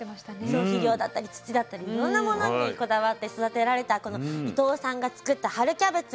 そう肥料だったり土だったりいろんなものにこだわって育てられたこの伊藤さんが作った春キャベツ。